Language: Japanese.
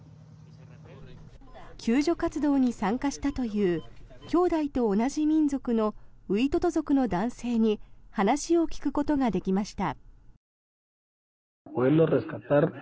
救助活動に参加したというきょうだいと同じ民族のウイトト族の男性に話を聞くことができました。